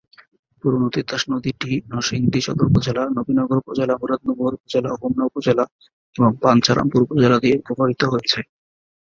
পুরনো তিতাস নদীটি নরসিংদী সদর উপজেলা, নবীনগর উপজেলা, মুরাদনগর উপজেলা, হোমনা উপজেলা এবং বাঞ্ছারামপুর উপজেলা দিয়ে প্রবাহিত হয়েছে।